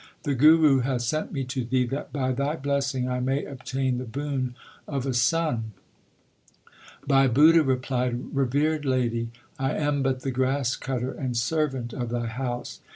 The Guru hath sent me to thee that by thy blessing I may obtain the boon of a son. Bhai Budha replied, Revered lady, I am but the grass cutter and servant of thy house.